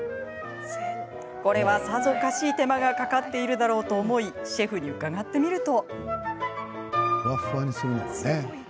これは、さぞかし手間がかかっているだろうと思いシェフに伺ってみると。